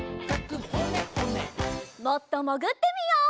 もっともぐってみよう。